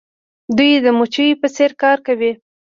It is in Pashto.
دوی د مچیو په څیر کار کوي.